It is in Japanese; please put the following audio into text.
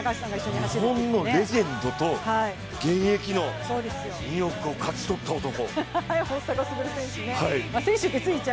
日本のレジェンドと現役のニューヨークを勝ち取った男。